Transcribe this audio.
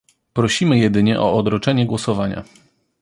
Prosimy jedynie o odroczenie głosowania